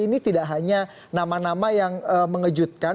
ini tidak hanya nama nama yang mengejutkan